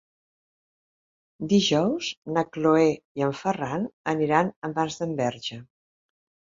Dijous na Cloè i en Ferran aniran a Masdenverge.